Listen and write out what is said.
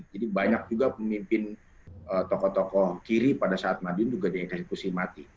jadi banyak juga pemimpin tokoh tokoh kiri pada saat madiun juga dieksekusi mati